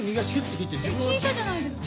引いたじゃないですか。